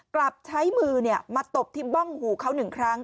กลับใช้มือมาตบที่บ้องหูเขาหนึ่งครั้ง